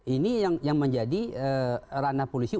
ini yang menjadi ranah polisi